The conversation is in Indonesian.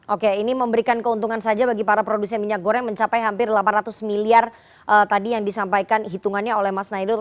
oke ini memberikan keuntungan saja bagi para produsen minyak goreng mencapai hampir delapan ratus miliar tadi yang disampaikan hitungannya oleh mas nailul